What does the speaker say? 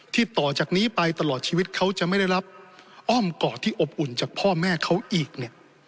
ต่อจากนี้ไปตลอดชีวิตเขาจะไม่ได้รับอ้อมกอดที่อบอุ่นจากพ่อแม่เขาอีกเนี่ย